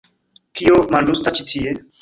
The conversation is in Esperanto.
Kio malĝustas ĉi tie?